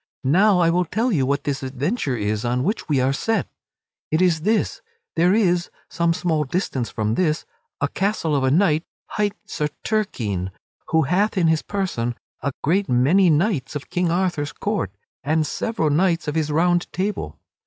Now I will tell you what this adventure is on which we are set; it is this there is, some small distance from this, a castle of a knight hight Sir Turquine, who hath in his prison a great many knights of King Arthur's court, and several knights of his Round Table.